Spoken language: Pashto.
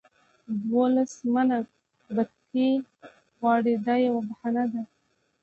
دولس منه بتکۍ غواړي دا یوه بهانه ده.